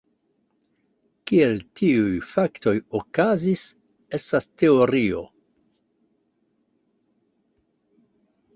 Kiel tiuj faktoj okazis, estas teorio.